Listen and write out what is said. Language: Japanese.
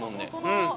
うん。